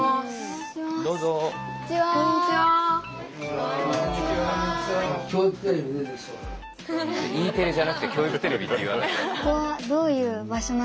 Ｅテレじゃなくて教育テレビって言われてる。